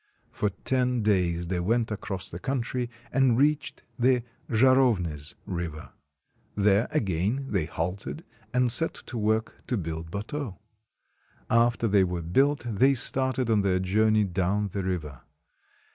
For ten days they went across the country, and reached the Zharovnys River. There again they halted, and set to work to build bateaux. After they were built they started on their journey down the river.